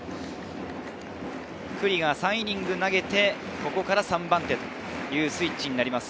九里が３イニング投げて、ここから３番手というスイッチになります。